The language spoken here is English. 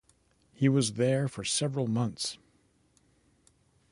He was there for several months.